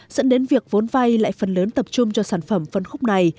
dẫn đến việc vốn vay lại phần lớn tập trung cho sản phẩm phân khúc này